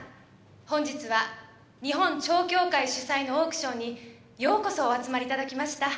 本日は日本蝶協会主催のオークションにようこそお集まり頂きました。